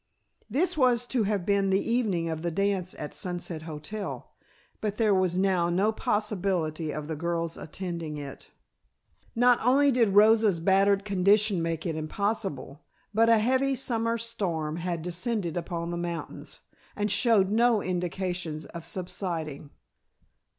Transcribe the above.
This was to have been the evening of the dance at Sunset Hotel, but there was now no possibility of the girls attending it. Not only did Rosa's battered condition make it impossible, but a heavy summer storm had descended upon the mountains, and showed no indications of subsiding.